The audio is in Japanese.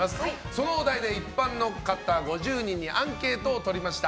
そのお題で一般の方５０人にアンケートを取りました。